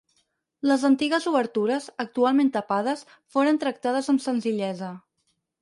Les antigues obertures, actualment tapades, foren tractades amb senzillesa.